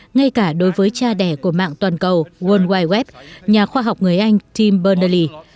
ngay cả đối với cha đẻ của mạng toàn cầu world wide web nhà khoa học người anh tim bernally